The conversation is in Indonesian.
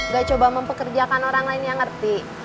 gak coba mempekerjakan orang lain yang ngerti